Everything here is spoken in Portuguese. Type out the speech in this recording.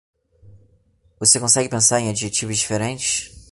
Você consegue pensar em adjetivos diferentes?